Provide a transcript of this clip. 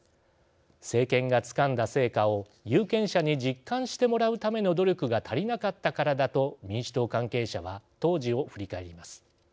政権がつかんだ成果を有権者に実感してもらうための努力が足りなかったからだと民主党関係者は当時を振り返ります。